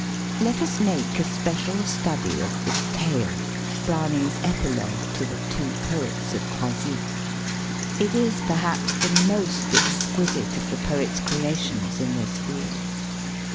Let us make a special study of the "Tale" (Browning's epilogue to "The Two Poets of Croisic"). It is perhaps the most exquisite of the poet's creations in this field.